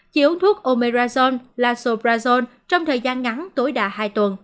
chỉ uống thuốc omeprazone lasoprazone trong thời gian ngắn tối đa hai tuần